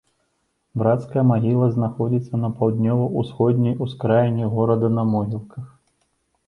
Брацкая магіла знаходзіцца на паўднёва-ўсходняй ускраіне горада на могілках.